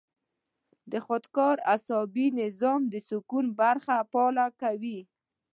د خودکار اعصابي نظام د سکون برخه فعاله کوي -